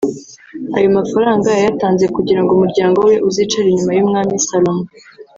Ayo mafaranga yayatanze kugira ngo umuryango we uzicare inyuma y’Umwami Salomo